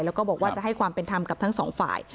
แล้วก็บอกว่าจะให้ความเป็นธรรมกับทั้งสองฝ่าย